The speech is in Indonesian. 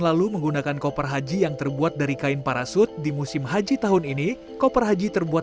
lalu menggunakan koper haji yang terbuat dari kain parasut di musim haji tahun ini koper haji terbuat